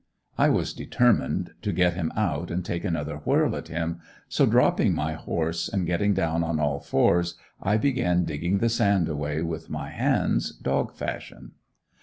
I was determined to get him out and take another whirl at him, so dropping my horse and getting down on all fours I began digging the sand away with my hands, dog fashion.